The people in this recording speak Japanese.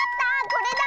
これだ！